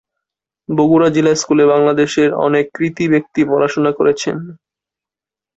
বগুড়া জিলা স্কুলে বাংলাদেশের অনেক কৃতী ব্যক্তি পড়াশোনা করেছেন।